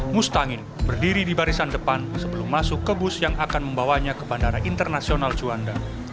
mustangin berdiri di barisan depan sebelum masuk ke bus yang akan membawanya ke bandara internasional juanda